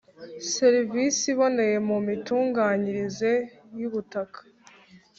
Serivisi iboneye mu mitunganyirize y’ ubutaka